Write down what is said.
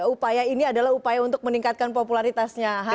upaya ini adalah upaya untuk meningkatkan popularitasnya